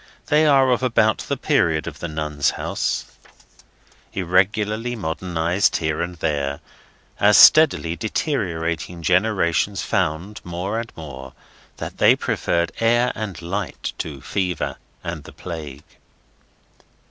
They are of about the period of the Nuns' House, irregularly modernised here and there, as steadily deteriorating generations found, more and more, that they preferred air and light to Fever and the Plague.